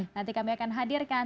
nanti kami akan hadirkan